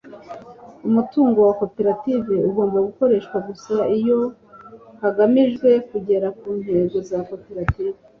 umutungo wa koperative ugombwa gukoreshwa gusa iyo hagamijwe kugera ku ntego za koperative